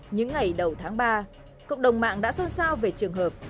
những ngày đầu tháng ba cộng đồng mạng đã xôn xao về trường hợp